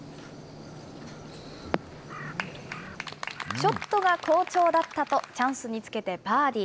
ショットが好調だったと、チャンスにつけてバーディー。